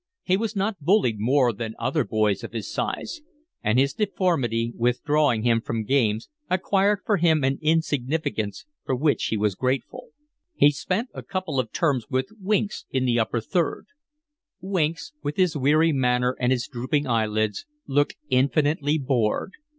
He was not bullied more than other boys of his size; and his deformity, withdrawing him from games, acquired for him an insignificance for which he was grateful. He was not popular, and he was very lonely. He spent a couple of terms with Winks in the Upper Third. Winks, with his weary manner and his drooping eyelids, looked infinitely bored.